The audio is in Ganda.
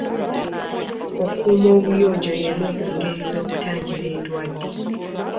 Okuuma obuyonjo y'emu ku ngeri z'okutangira endwadde.